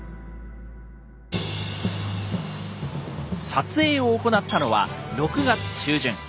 撮影を行ったのは６月中旬。